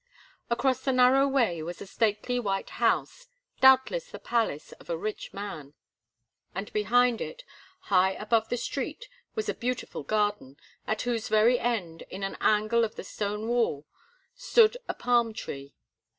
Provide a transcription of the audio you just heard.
Across the narrow way was a stately white house, doubtless the "palace" of a rich man, and behind it, high above the street, was a beautiful garden, at whose very end, in an angle of the stone wall, stood a palm tree.